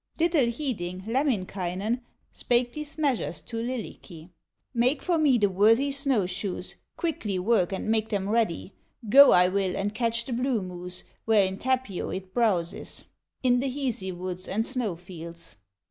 Little heeding, Lemminkainen Spake these measures to Lylikki: "Make for me the worthy snow shoes, Quickly work and make them ready; Go I will and catch the blue moose Where in Tapio it browses, In the Hisi woods and snow fields."